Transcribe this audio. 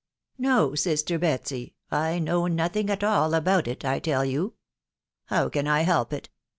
"No, sister Batsy, I know nothing at, all about it, I tell you. ..... Haw can I helgt.it?